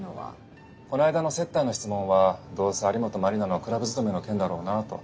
この間の接待の質問はどうせ有本マリナのクラブ勤めの件だろうなと。